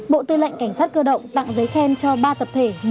bộ tư lệnh cảnh sát cơ động tặng giấy khen cho ba tập thể